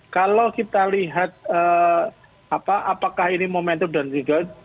kalau kita lihat apakah ini momentum dan tidak